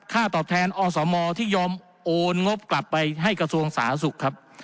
ตอบแทนอสมที่ยอมโอนงบกลับไปให้กระทรวงสาธารณสุขครับ